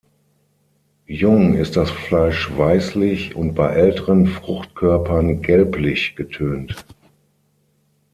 Jung ist das Fleisch weißlich und bei älteren Fruchtkörpern gelblich getönt.